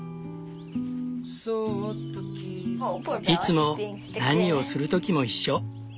いつも何をする時も一緒。